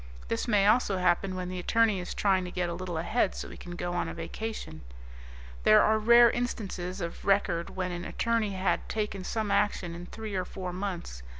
This may also happen when the attorney is trying to get a little ahead so he can go on a vacation. There are rare instances of record when an attorney had taken some action in three or four months.